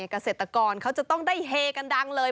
เกษตรกรเขาจะต้องได้เฮกันดังเลย